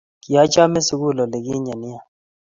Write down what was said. Kiachame sukul olikinye nea